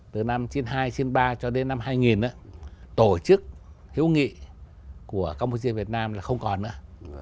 từ năm chín mươi hai trên ba cho đến năm hai nghìn tổ chức hiếu nghị của campuchia việt nam là không còn nữa